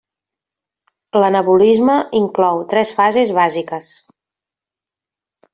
L'anabolisme inclou tres fases bàsiques.